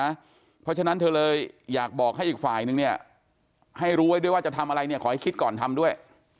เพราะฉะนั้นเธอเลยอยากบอกให้อีกฝ่ายนึงเนี่ยให้รู้ไว้ด้วยว่าจะทำอะไรเนี่ยขอให้คิดก่อนทำด้วย